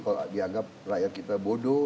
kalau dianggap rakyat kita bodoh